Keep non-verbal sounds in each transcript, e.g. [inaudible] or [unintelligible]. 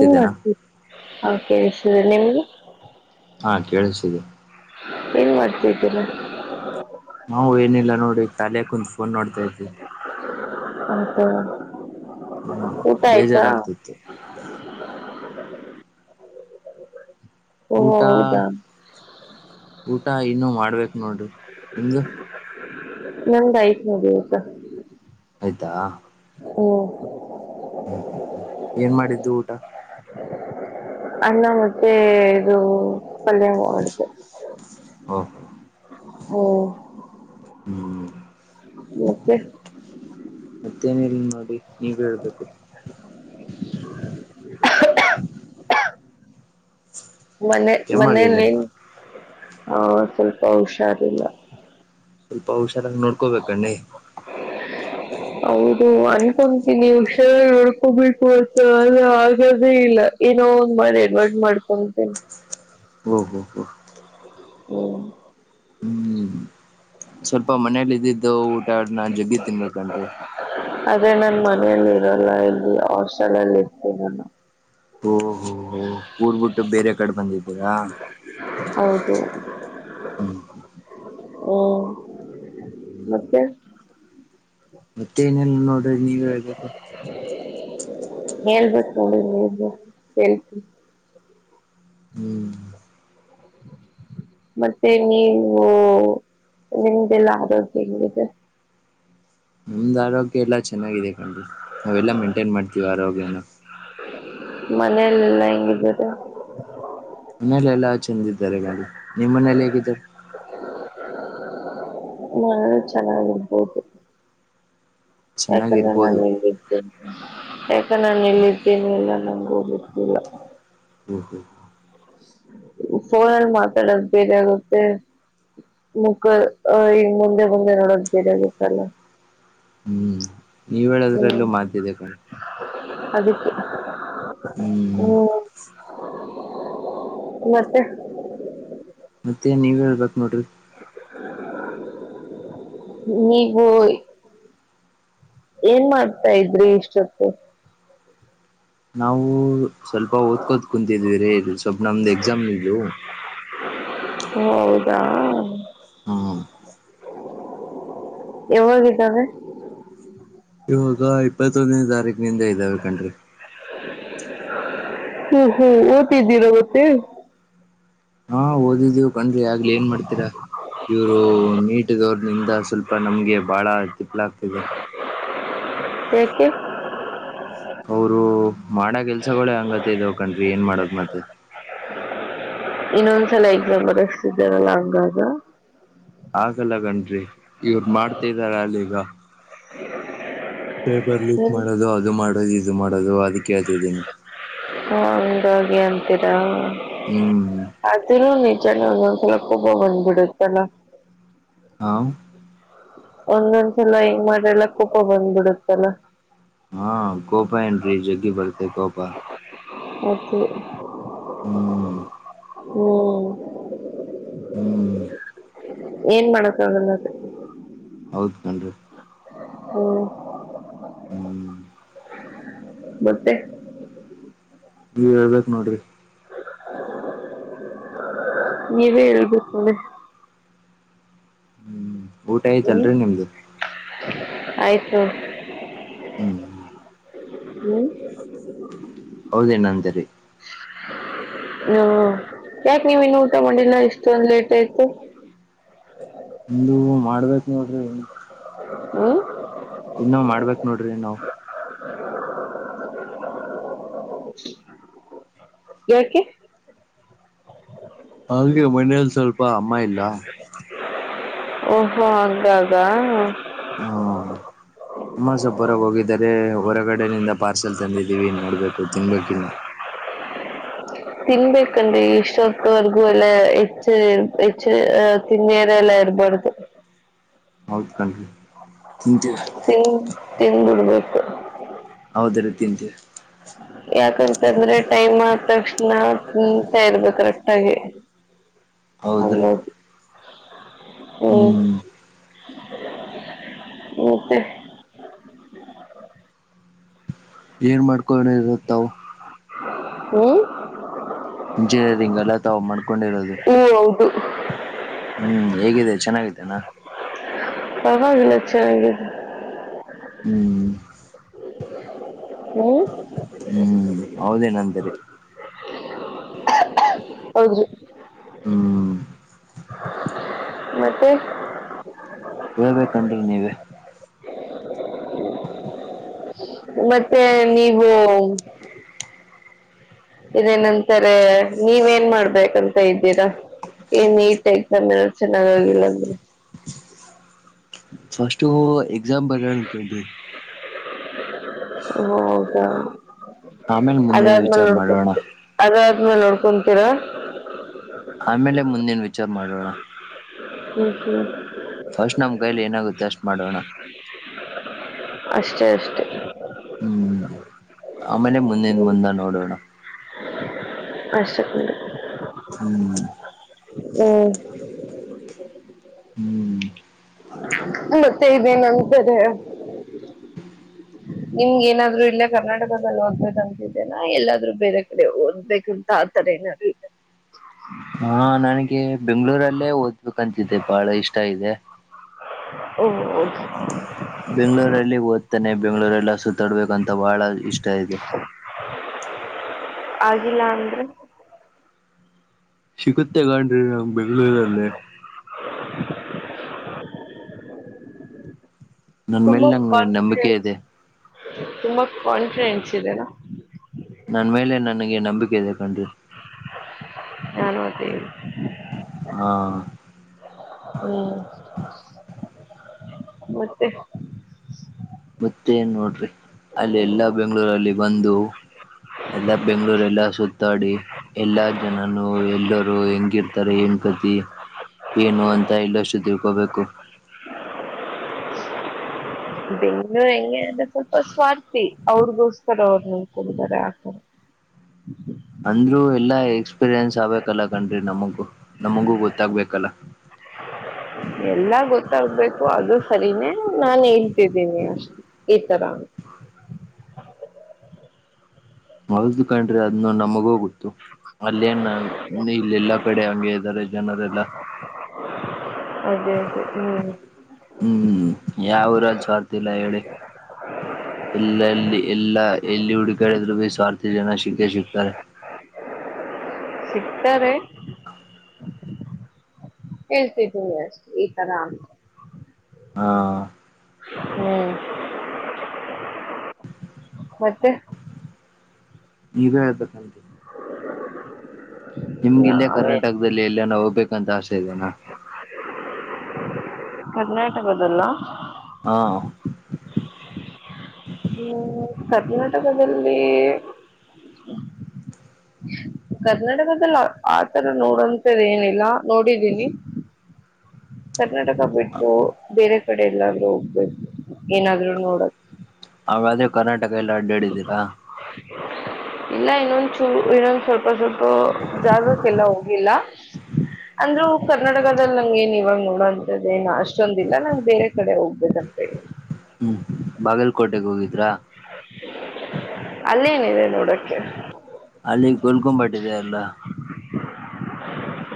ಏನ್ ಮಾಡ್ತಿ ಅ. ಕೇಳಸ್ತಿದೆ ನಿಮ್ಗೆ. ಹಾ ಕೇಳಸ್ತಿದೆ. ಏನ್ ಮಾಡ್ತಿದಿದ್ದೀರಾ. ನಾವು ಏನಿಲ್ಲ ನೋಡಿ ಕಾಲೇ ಕುಂತ್ ಫೋನ್ ನೋಡ್ತಾ ಇದಿವಿ. ಹ [unintelligible] ಹಾ ಬೇಜಾರಾಗ್ತಿತ್ತು. ಓ ಊಟ ಹೌದಾ. ಊಟ ಇನ್ನು ಮಾಡ್ಬೇಕು ನೋಡ್ರಿ ನಿಮ್ದು. ನಂದ್ ಆಯ್ತ್ ನೋಡಿ ಊಟ ಆಯ್ತಾ ಹುಂ ಏನ್ ಮಾಡಿದ್ದು ಊಟ. ಅನ್ನ ಮತ್ತೆ ಇದು ಪಲ್ಯ ಮಾಡಿದ್ದೆ. ಓಹೋ ಹೊ ಹ್ಮ್.... ಮತ್ತೆ ಮತ್ತೇನ್ ಇಲ್ ನೋಡಿ ನೀವೆ ಹೇಳ್ಬೇಕು. [inaudible] ಮನೆ ಮನೇಲಿ ಕೆಮ್ಮಾಗಿದೆನಾ ಆ ಸ್ವಲ್ಪ ಹುಷಾರಿಲ್ಲ. ಸ್ವಲ್ಪ ಹುಷಾರಾಗಿ ನೋಡ್ ಹೌದು ಆ.. ಅಕೊಂತೀನಿ ಹುಷಾರಾಗಿ ನೋಡ್ಕೊಬೇಕು ಅಂತ ಆದ್ರೆ ಆಗದೇ ಇಲ್ಲ ಏನೋ ಒಂದ್ [unintelligible] ಅಡ್ಜ್ ಮಾಡ್ಕೊಂತ್ತಾರೆ ಓ ಹೋ ಹೋ. ಹೊ ಹ್ಮ್ ಸ್ವಲ್ಪ ಮನೆಯಲ್ಲಿ ಇದ್ದಿದ್ದು ಊಟ ಆಡ್ನ್ ಜಗ್ಗಿ ತಿನ್ಬೇಕನ್ರೀ. ಅದೇ ನನ್ ಮನೆಯಲ್ಲಿ ಇರಲ್ಲ ಇಲ್ಲಿ ಹಾಸ್ಟೆಲ್ ಅಲ್ಲಿ ಇರ್ತೀನಿ ನಾನು. ಓ ಹೋ ಹೋ ಊರ್ಬಿಟ್ಟು ಬೇರೆ ಕಡೆ ಬಂದಿದ್ದೀರಾ. ಹೌದು ಹ್ಮ್ ಹ್ಮ್ ಓ ಮತ್ತೆ. ಮತ್ತೆ ಏನಿಲ್ಲ ನೋಡ್ರಿ ನೀವೆ ಹೇಳ್ಬೇಕು. ಹೇಳ್ಬೇಕು [unintelligible] ಹ್ಮ್ [inaudible] ಮತ್ತೆ ನೀವು ನಿಮ್ದಲ್ಲ ಆರೋಗ್ಯ ಹೆಂಗಿದೆ ನಮ್ದ್ ಆರೋಗ್ಯ ಎಲ್ಲಾ ಚೆನ್ನಾಗಿದೆ ಕಣ್ರಿ ನಾವೆಲ್ಲಾ ಮೇಂಟೈನ್ ಮಾಡ್ತೀವಿ ಆರೋಗ್ಯನ. ಮನೇಲ್ಲೆಲ್ಲ ಹೆಂಗಿದ್ದಾರೆ. ಮನೇಲಿ ಎಲ್ಲಾ ಚೆಂದ ಇದಿದ್ದಾರೆ ಗಕಣ್ರೀ ನಿಮ್ಮ್ ಮನೇಲಿ ಹೇಗಿದ್ದಾರೆ. ಬಹಳ ಚೆನ್ನಾಗಿರ್ಬಹುದು. ಯಾಕಂದ್ರೆ ಚೆನ್ನಾಗಿರ್ಬೋದು ನಾನ್ ಇಲ್ಲಿದ್ದೇನೆ. ಯಾಕ ನಾನು ಎಲ್ಲಿದ್ದೇನೆ ಎಲ್ಲ ನಂಗು ಗೊತ್ತಿಲ್ಲ [inaudible] ಫೋನಲ್ಲಿ ಮಾತಾಡೋದ್ ಬೇಗ ಆಗುತ್ತೆ. ಮುಕ್ಕ ಈಗ ಮುಂದೆ ಮುಂದೆ ನೋಡೋದ ಬೇರೆ ಆಗತ್ತಲ್ಲ. ಹ್ಮು ನೀವ್ ಹೇಳೋದ್ರಲ್ಲೂ ಮಾಡ್ತಿದ್ದೆ ಅದ್ದಕು ಹ್ಮ್ ಹ್ಮ್ ಮತ್ತೆ ಮತ್ತೆ ನೀವ್ ಹೇಳ್ಬೇಕಕ್ ನೋಡ್ರಿ ನೀವು ಏನ್ ಮಾಡ್ತಾ ಇದ್ರಿ ಇಷ್ಟೊತ್ತು ನಾವು ಸ್ವಲ್ಪ ಓದ್ಕೋದ ಕುಂತಿದ್ವಿರಿ ಸ್ವಲ್ಪ ನಮ್ದ್ ಎಕ್ಸಾಮ್ ಇದು ಹೊ ಹೌದಾ ಹಂ ಯಾವಾಗಿದ್ದಾವೆ ಇವಾಗ ಇಪ್ಪತ್ತೊಂದನೇ ತಾರೀಕ್ ನಿಂದ ಇದಾವ ಕಣ್ರಿ ಹ್ಮ್ ಹ್ಮ್ ಓದಿದ್ದೀರಾ ಓತ್ತೆ ಹಾ ಓದಿದ್ದೀವು ಕಣ್ರಿ ಆಗ್ಲಿ ಏನ್ ಮಾಡ್ತೀರಾ ಇವರು ನೀಟ್ ದವರ್ನಿಂದ ಸ್ವಲ್ಪ ನಮ್ಗೆ ಬಹಳ [unintelligible] ಆಗ್ತಿದೆ ಯಾಕೆ ಅವರು ಮಾಡ ಕೆಲ್ಸಗಳೇ ಹಂಗತೆದವ್ ಏನ್ ಮಾಡದ್ ಮತ್ತೆ ಇನ್ನೊಂದ್ಸಲ ಎಕ್ಸಾಮ ಬರಿಸ್ತಿದರಲ್ಲ ಹಂಗಾಗ ಹಾಗಲ್ಲ ಕಣ್ರೀ ಇವರು ಮಾಡ್ತಿದರಲ್ಲೀಗ [unintelligible] ಪೇಪರ್ ಲೀಕ್ ಹ್ಮ್. ಮಾಡೋದು ಅದು ಮಾಡೋದು ಇದು ಮಾಡೋದು ಅದಕ್ಕೆ ಹೇಳ್ತಿದ್ದೀನಿ ಹ ಹಂಗಾಗಿ ಅಂತೀರಾ ಹ್ಮ್ ಅದುನ್ನು [unintelligible] [unintelligible] ಬನ್ಬಿಡುತ್ತಲ್ಲ ಹಾ ಒಂದೊಂದ್ಸಲ ಹೆಂಗ್ ಮಾಡ್ರಲ್ಲ ಕೋಪ ಬಂದ್ಬಿಡತ್ತಲ್ಲ ಹಾ ಕೋಪ ಏನ್ರಿ ಜಗ್ಗಿ ಬರ್ತೆ ಕೋಪ [unintelligible] ಹ್ಮ್ ಹ್ಮ್ ಹ್ಮ್ ಏನ್ ಮಾಡಕ್ಕಾಗಲ್ಲ ಅದ ಹೌದ ಕಣ್ರಿ ಹ್ಮ್ ಹ್ಮ್ ಮತ್ತೆ ನೀವ ಹೇಳ್ಬೇಕ ನೋಡ್ರಿ ನೀವೇ ಹೇಳ್ಬೇಕು [unintelligible] ಹ್ಮ್ ಊಟ ಹ್ಮ್ ಆಯ್ತಲ್ರಿ ನಿಮ್ದು ಆಯ್ತು ಹ್ಮ್ ಹ್ಮ್ ಹ್ಮ ಆವಾಗೇ ಏನೋಅಂದೇರಿ ನೀವು ಯಾಕೆ ನೀವ್ ಇನ್ನು ಊಟ ಮಾಡಿಲ್ಲ ಇಷ್ಟೊಂದ್ ಲೇಟ್ ಆಯ್ತು [inaudible] ಇನ್ನು ಮಾಡ್ಬೇಕ ನೋಡ್ರಿ ಹ ಇನ್ನು ಮಾಡ್ಬೇಕ್ ನೋಡ್ರಿ ನಾವು [inaudible] ಯಾಕೆ ಹಾಗೆ ಮನೇಯಲ್ಲಿ ಸ್ವಲ್ಪ ಅಮ್ಮ ಇಲ್ಲ ಓಹೋ ಹಂಗಾಗ ಹ ಅಮ್ಮ ಸ್ವಲ್ಪ ಹೊರಗ್ ಹೋಗಿದ್ದಾರೆ ಹೊರಗಡೆಯಿಂದ ಪಾರ್ಸೆಲ್ ತಂದಿದ್ದೀವಿ ನೋಡ್ಬೇಕು ತಿನ್ಬೇಕಿನ್ನ ತಿನ್ಬೇಕಲ್ರಿ ಇಷ್ಟೊತ್ತವರ್ಗೂ ಎಲ್ಲಾ ಹೆಚ್ಚ ಹೆಚ್ಚ ತಿನ್ಯರೆ ಎಲ್ಲ [unintelligible] ಹೌದುಕನ್ರಿ ತಿನ್ ತಿನ್ಬಿಡಬೇಕು ಅದರ ತಿಂತೀವಿ ಯಾಕಂತ ಅಂದ್ರೆ ಟೈಮ್ ಆದ ತಕ್ಷಣ ತಿಂತಾ ಇರ್ಬೇಕ್ ಕರೆಕ್ಟ್ ಹಾಗೆ ಹೌದ್ರೀ [inaudible] ಹ್ಮ್ ಮತ್ತೆ [unintelligible] [inaudible] ಏನ್ ಮಾಡ್ಕೊಳಣ ಇರುತ್ತಾವು ಹ್ಮ ಇಂಜಿನಿಯರಿಂಗ್ ಎಲ್ಲ ತಾವು ಮಾಡ್ಕೊಂಡಿರೋದು ಹ್ಮ್ ಹೌದು ಹ್ಮ್ ಹೇಗಿದೆ ಚೆನ್ನಾಗಿದ್ದೇನಾ ಪರ್ವಾಗಿಲ್ಲ ಚೆನ್ನಾಗೈತೆ ಹ್ಮ್ ಹ್ಮ್ ಹ್ಮ್ ಹೌದೇನಂತರಿ ಹೌದ್ರಿ ಹ್ಮ್ [inaudible] ಮತ್ತೆ ಹೇಳ್ಬೇಕನ್್ರಿ ನೀವೆ ಮತ್ತೆ ನೀವು ಇದೇನಂತಾರೆ ನೀವೇನ್ ಮಾಡ್ಬೇಕಂತ ಇದ್ದೀರಾ ಏನ್ ನೀಟ್ ಆಯತೆ ಚೆನ್ನಾಗ ಆಾಗಿಿಲ್ಲ ಅಂದ್ರೆ ಫಸ್ಟು ಎಕ್ಸಾಮ್ ಬರ ಅಕೊಂಡ್ರಿ ಹೌದಾ ಆಮೇಲೆ ಮುಂದಿನ ಅದಾದ್ಮ ವಿಚಾರ ನೋಡ್ಕ ಮಾಡೋಣ ಅದಾದ ಮೇಲೆ ನೋಡ್ಕೊಂತೀರಾ ಆಮೇಲೆ ಮುಂದೇನ್ ವಿಚಾರ ಮಾಡೋಣ ಹ್ಮ ಹ ಫಸ್ಟ್ ನಮ್ ಕೈಲಿ ಏನಾಗುತ್ತೆ ಅಷ್ಟ್ ಮಾಡೋಣ ಅಷ್ಟೇ ಅಷ್ಟೇ ಹ್ಮ್ ಆಮೇಲೆ ಮುಂದಿನ ಮುಂದ ನೋಡೋಣ ಆಶಕಂಡ ಹ್ಮ್ ಹ್ಮ ಹ್ಮ್ ಮತ್ತೆ ಇದೇನ್ ಅಂತಾರೆ [inaudible] ನಿಮ್ ಏನಾದ್ರು ಇಲ್ಲ ಕರ್ನಾಟಕದಲ್ಲಿ ಓದ್ಬೇಕೇಂತಿದ್ದೇನಾ ಎಲ್ಲಾದ್ೂ ಬೇರೆ ಕಡೆ ಓದ್ಬೇಕುಂತ ದೆನದ್ರು ಇದಿಯಾ ಹಾ ನನಗೆ ಬೆಂಗ್ಗಳೂರಲ್ಲೇ ಓದ್ಬೇಕಂತಿದ್ದೆ ಬಹಳ ಇಷ್ಟ ಇದೆ ಓಕೆ ಬೆಂ್ಳೂರಲ್ಲಿ ಓದ್ತಾನೆ ಬೆಂಗ್ಳೂರಲ್ಲಿ ಸುತ್ತಾಡ್ಬೇಕಂತ ಅಂತ ಬಹಳ ಇಷ್ಟ ಇದೆ [inaudible] ಆಗಿಲ್ಲ ಅಂದ್ರೆ ಸಿಗುತ್ತೆಗೊಂಡ್ರಿ ನಂಗ್ ಬೆಂಗ್ಗಳೂರಲ್ಲೇ [inaudible] [unintelligible] ನನ್ ತುಂಬ ಮೇಲೆ ನಂಗೆ ನಂಬಿಕೆ ಕಾನ್ಫಿಡೆನ್ಸ್ ಇದೆ ತುಂಬಾ ಕಾನ್ಫಿಡೆಂಸ್ ಇದೆನಾ ನನ್ ಮೇಲೆ ನನಗೆ ನಂಬಿಕೆ ಇದೆ ಕಂಡ್ರೀ ನಾನ ಅದೇ ಹಾ ಹ್ಮ ಮತ್ತೆ ಮತ್ತೆನ್ ನೋಡ್ರಿ ಅಲ್ಲಿ ಎಲ್ಲಾ ಬೆಂಗ್ಗಳೂರಲ್ಲಿ ಬಂದು ಎಲ್ಲಾ ಬೆಂಗ್ಳೂರ್ ಎಲ್ಲ ಸುತ್ತಾಡಿ ಎಲ್ಲಾ ಜನನು ಎಲ್ಲರುೂ ಹೆಂಗಿರ್ತಾರೆ ಏ ಸಂತಿ ಏನು ಅಂತ ಇಲ್ಲಷ್ಟು ತಿಳ್ಕೋಬೇಕು [inaudible] ಇನ್ನುೂ ಹೆಂಗೆ ಅಂದ್ರೆ ಸ್ವಲ್ಪ ಸ್ವಾರ್ಥಿ ಅವ್ರಗೋಸ್ತರ ಅವ್ರ ನ ಕೊಡತಾರೆ ಆತರ ಅಂದ್ರು ಎಲ್ಲಾ ಎಕ್ಸ್ಪೀರಿಯನ್ಸ್ ಆಗ್ಬೇಕಲ್ಲ ಕಣ್ರಿ ನಮಗು ನಮಗೂ ಗೊತ್ತಾಗಬೇಕಲ್ಲ [unintelligible] ಎಲ್ಲ ಗೊತ್ತಾಗಬೇಕು ಅದು ಸರಿನೇ ನಾನ ಹೇಳ್ತಿದ್ದೀನಿ ಅಷ್ಟ ಈ ತರ ಹ ಹೌ್ದ ಕಂಡ್ರಿ ಅದನ್ನು ನಮಗ ಹೋಗುತ್ತತ್ತು ಅಲ್ಲೇನ ಇಲ್ಲ ಎಲ್ಲಾ ಕಡೆ ಹಂಗೆ ಇದ್ದಾರೆ ಜನರೆಲ್ಲಾ ಅದೇ ಅದೇ ಹ್ಮ್ ಯಾವರ ಸ್ರ್ತಿಲ್ಲ ಹೇಳಿ ಎಲ್ಲಲ್ಲಿ ಎಲ್ಲಾ ಎಲ್ಲಿ ಹುಡುಕಾಡೆದ್ರು ಬಿ ಸ್ವಾರ್ಥಿ ಜನ ಸಿಕ್ಕೆ ಸಿಕ್ತಾರೆ ಸಿಗ್ತಾರೆ ಎತತಷ್ಟ ಈ ತ ಅ ಹಾ ಹ್ಮ್ ಮತ್ತೆ ನೀನು ಅ ಕತೀ [unintelligible] ನಿಮ್ಗಲ್ಲಯ ನಾವೇ ಕರ್ನಾಟಕದಲ್ಲಿ ಎಲ್ಲ ನಾ ಹೋಗ್ಬೇಕಂತ ಆಸೆ ಇದದೆೇನಾ ಕರ್ನಾಟಕ ಅದಲ್ಲ ಹಾ ಹ್ಮ್ ಕರ್ನಾಟಕದಲ್ಲಿ ಕರ್ನಾಟಕದದಲ್ಲಿ ಆತರ ನೋಡಂತದ ಏನಿಲ್ಲ ನೋಡಿದ್ದೀನಿ ಹ್ಮ ಕರ್ನಾಟಕ ಬಿಟ್ಟು ಬೇರೆ ಕಡೆ ಎಲ್ಲಾದ್ರೂ ಹೋಗ್ಬೇಕು ಏನಾದ್ರು ನೋಡಕ್ ಅವಾದ್ರೆ ಕರ್ನಾಟಕ ಎಲ್ಲ ಅಡ್ಡಾಡಿದ್ದೀರಾ ಹ ಇಲ್ಲ ಇನ್ನೊಂದ್ ಚೂ ಇನ್ನೊಂದ ಸ್ವಲ್ಪ ಸ್ವಲ್ಪ ಜಾಗಕ್ಕೆಲ್ಲ ಹೋಗಿಲ್ಲ ಅಂದ್ ಕರ್ನಾಟಕದಲ್ಲಿ ನಂಗ ಏನ್ ಇವಾಗ ನೋಡೋಂಂತದ್ದ ಏನ್ ಅಷ್ಟೊಂದಿಲ್ಲ ನಂಗ್ ಬೇರೆ ಕಡೆ ಹೋಗ್ಬೇಕ [unintelligible] ಹ್ಮ್ ಬಾಗಲಕೋಟೆೆಗೆ ಹೋಗಿದ್ರಾ ಅಲ್ಲೇನಿದೆ ನೋಡಕ್ಕೆ ಅಲ್ಲಿ ಕೊಲ್ಕೊಂಬಾಟ್ಟಿದೆ ಅಲ್ಲ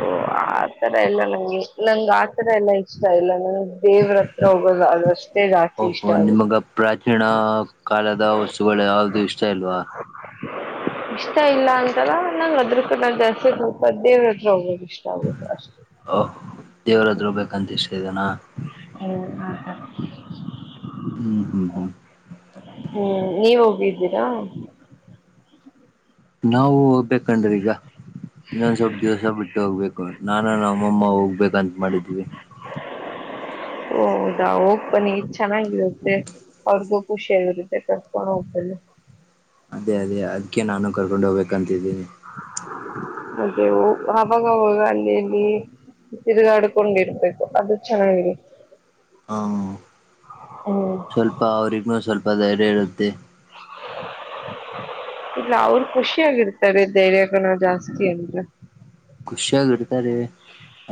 ಓ ಆ ತರ ಎಲ್ಲ ನಂಗೆ ನಂಗ ಆತರ ಎಲ್ಲಾ ಇಷ್ಟ ಇಲ್ಲ ನಂಗೆ ದೇವ್ರ ಹತ್ರ ಹೋಗದು ಅದು ಅಷ್ಟೇ ಜಾಸ್ತಿ ಇಷ್ಟ ಓಹೋ ಆಗ ನಿಮಗ ಪ್ರಾಚೀನ ಕಾಲದ ವಸ್ತುಗಳು ಯಾವ್ದು ಇಷ್ಟ ಇಲ್ವಾ ಇಷ್ಟ ಇಲ್ಲ ಅಂತಾರ ನಂಂಗ ಅದ್ರ ಕೂಡ ಜಾಸ್ತಿ ಸ್ವಲ್ಪ ದೇವ್ರ ಹತ್ರ ಹೋಗಬೋದು ಓ ದೇವ್ರಾದ್ರುೂ ಬೇಕಂತ ಇಷ್ಟ ಇದನಾ ಹ್ಮ ಹ್ಮ್ ಹ್ಮ್ ಹ್ಮ್ ಹ್ಮ್ ನೀವ ಹೋಗಿದ್ದೀರಾ ನಾವು ಹೋಗ್ಬೇಕಂಡ್ರಿ ಈಗ ಇನ್ನೊಂದ್ ಸ್ವಲ್ಪ ದಿವ್ಸ ಬಿಟ್ಟ ಹೋಗ್ಬೇಕು ನಾನ ನ ನಮ್ಮಮ್ಮ ಹೋಗ್ಬೇಕಂತ ಮಾಡಿದ್ವಿ ಓ ಹೌದಾ ಓಪನಿ ಚೆನ್ನಾಗಿಲ್ಲತ್ತೆ ಅವ್ರಗೂ ಖುಷಿಯಲ್ಲಿರುತ್ತೆ ಕರ್ಕೊಂಡು ಹೋಗ್ತಲ್ಲ ಅದೇ ಅದೇ ಅದಕ್ಕೆ ನಾನು ಕರ್ಕೊಂಡ ಹೋಗ್ಬೇಕಂತಿದ್ದೀನಿ ಅದೇ ಅವವಾಗ ಅಲ್ಲಿಲ್ಲಿ ತಿರುಗಾಡ್ಕೊಂಡಿರ್ಬೇಕು ಅದು ಚೆನ್ನಾಗಿರಿ ಹ್ಮ ಸ್ವಲ್ಪ ಅವ್ರಿಗ್ ಸ್ವಲ್ಪ ಧೈರ್ಯ ಇರುತ್ತೆ ಆ [unintelligible] ಇಲ್ಲ ಅವ್ರ ಖುಷಿ ಯಾಗಿರ್ತಾರೆ ಧೈರ್ಯ ಕಣ ಜಾಸ್ತಿ ಅಂದ್ರ ಖುಷಿಯಾಗಿ ಇರ್ತಾರೆ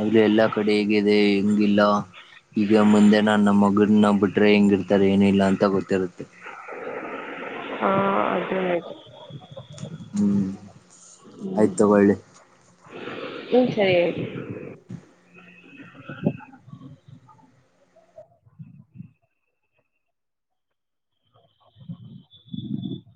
ಅ್ರ ಎಲ್ಲಾ ಕಡೆ ಹೇಗಿದೆ ಹೆಂಗಿಲ್ಲ ಈಗ ಮುಂದೆ ನಾ ನಮ್ಮ ಮಗನ್ನ ಬಿಟ್ರೆ ಹೆಂಗಿರ್ತಾರೆ ಏನಿಲ್ಲ ಅಂತ ಗೊತ್ತಿರುತ್ತೆ ಹಾ ಅದ ಹ್ಮ್ ಆಯ್ತ ಒಳ್ಳಿ ಚ [unintelligible]